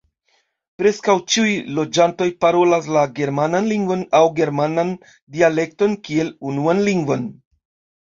Preskaŭ ĉiuj loĝantoj parolas la germanan lingvon aŭ germanan dialekton kiel unuan lingvon.